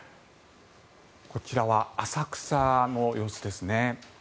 こちらは浅草の様子ですね。